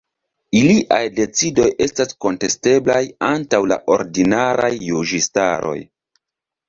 Iliaj decidoj estas kontesteblaj antaŭ la ordinaraj juĝistaroj.